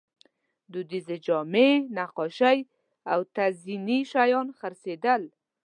دودیزې جامې، نقاشۍ او تزییني شیان خرڅېدل.